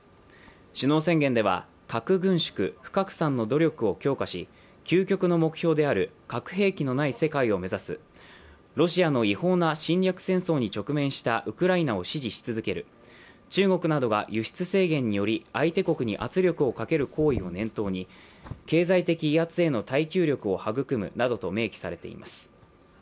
首脳宣言では核軍縮・不拡散の努力を強化し究極の目標である核兵器のない世界を目指す、ロシアの違法な侵略戦争に直面したウクライナを支持し続ける中国などが輸出制限により相手国に圧力をかける行為を念頭に経済的威圧への耐久力を育むなどと明記されています。